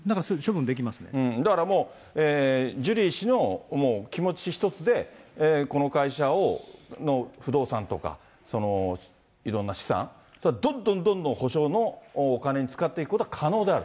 だからもう、ジュリー氏の気持ち一つで、この会社の不動産とか、いろんな資産、どんどんどんどん補償のお金に使っていくことは可能である。